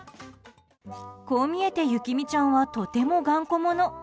こう見えて、雪海ちゃんはとても頑固者。